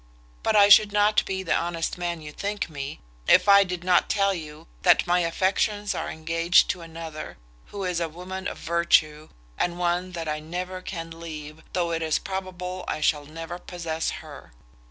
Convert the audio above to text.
But I should not be the honest man you think me, if I did not tell you that my affections are engaged to another, who is a woman of virtue, and one that I never can leave, though it is probable I shall never possess her.